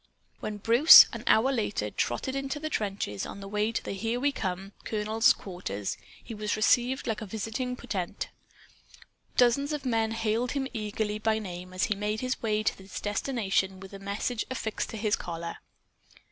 When Bruce, an hour later, trotted into the trenches, on the way to the "Here We Come" colonel's quarters, he was received like a visiting potentate. Dozens of men hailed him eagerly by name as he made his way to his destination with the message affixed to his collar.